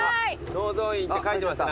能蔵院って書いてますね。